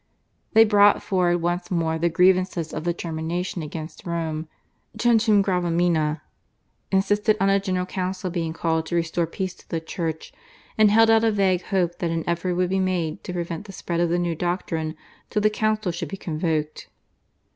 They brought forward once more the grievances of the German nation against Rome (/Centum Gravamina/), insisted on a General Council being called to restore peace to the Church, and held out a vague hope that an effort would be made to prevent the spread of the new doctrine till the Council should be convoked.